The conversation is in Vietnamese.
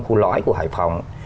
khu lõi của hải phòng